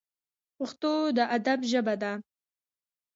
پښتو د ادب ژبه ده